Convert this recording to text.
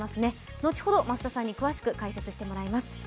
後ほど増田さんに詳しく解説してもらいます。